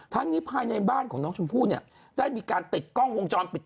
ทั้งนี้ภายในบ้านของน้องชมพู่เนี่ยได้มีการติดกล้องวงจรปิด